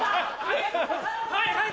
はい！